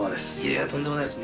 いやとんでもないです。